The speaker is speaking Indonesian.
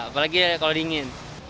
apalagi kalau dingin